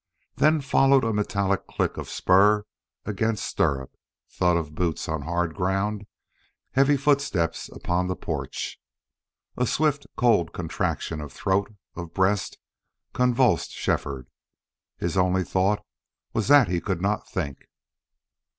Then followed a metallic clink of spur against stirrup thud of boots on hard ground heavy footsteps upon the porch. A swift, cold contraction of throat, of breast, convulsed Shefford. His only thought was that he could not think.